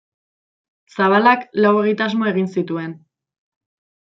Zabalak lau egitasmo egin zituen.